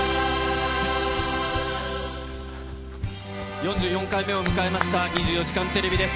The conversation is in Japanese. ４４回目を迎えました２４時間テレビです。